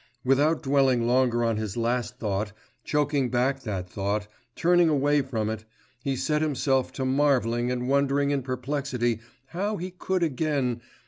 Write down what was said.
Without dwelling longer on his last thought, choking back that thought, turning away from it, he set himself to marvelling and wondering in perplexity how he could again